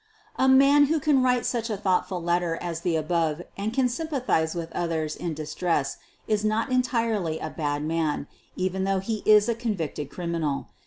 A man who can write such a thoughtful letter as the above and can sympathize with others in dis tress is not entirely a bad man, even though he is a convicted criminal.